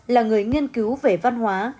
là người nghiên cứu về văn hóa